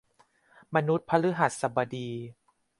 มนุษย์พฤหัสบดี